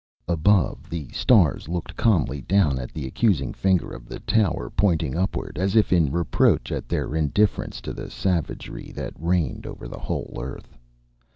Above, the stars looked calmly down at the accusing finger of the tower pointing upward, as if in reproach at their indifference to the savagery that reigned over the whole earth.